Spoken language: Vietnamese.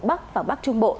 bắc và bắc trung bộ